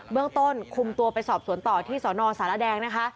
เรื่องต้นคุมตัวไปสอบสวนต่อที่สนสารแดงนะคะ